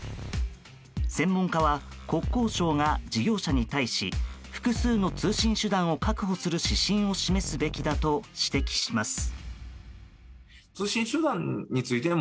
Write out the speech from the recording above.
専門家は国交省が事業者に対し複数の通信手段を確保する指針を示すべきだと指摘します。